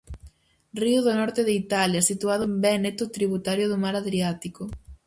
Río do norte de Italia, situado en Véneto, tributario do Mar Adriático.